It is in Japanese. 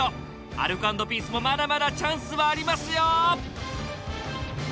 アルコ＆ピースもまだまだチャンスはありますよ！